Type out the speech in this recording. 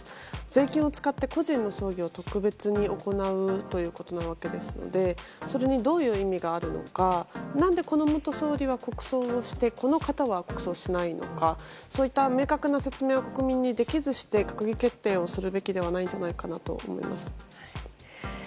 税金を使って個人の葬儀を特別に行うということなわけですのでそれにどういう意味があるのか何で、この元総理は国葬をしてこの方は国葬にしないのか明確な説明を国民にできずして閣議決定をするべきではないんじゃないかと思います。